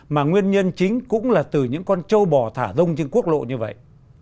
mà nguyên nhân chính cũng là từ những con châu bò thả rông trên quốc lộ như vậy